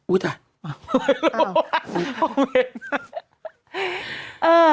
อุ้ยที่